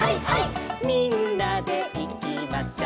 「みんなでいきましょう」